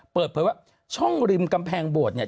เปิดเผยว่าช่องริมกำแพงโบสถ์เนี่ย